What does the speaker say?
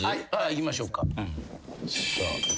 いきましょうか。